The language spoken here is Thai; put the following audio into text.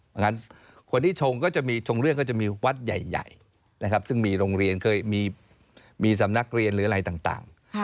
เพราะฉะนั้นคนที่ชงก็จะมีชงเรื่องก็จะมีวัดใหญ่นะครับซึ่งมีโรงเรียนเคยมีสำนักเรียนหรืออะไรต่าง